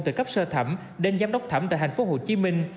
từ cấp sơ thẩm đến giám đốc thẩm tại tp hcm